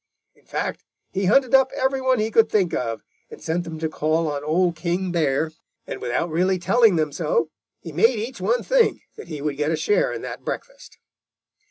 In fact, he hunted up every one he could think of and sent them to call on Old King Bear, and without really telling them so, he made each one think that he would get a share in that breakfast."